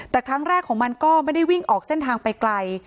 แต่ครั้งแรกของมันก็ไม่ได้วิ่งออกเส้นทางไปไกล